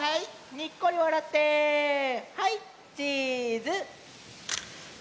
にっこりわらってはいチーズ！